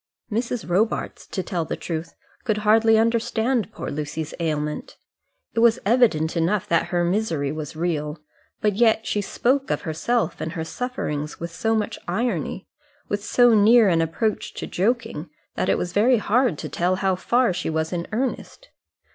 Mrs. Robarts, to tell the truth, could hardly understand poor Lucy's ailment. It was evident enough that her misery was real; but yet she spoke of herself and her sufferings with so much irony, with so near an approach to joking, that it was very hard to tell how far she was in earnest.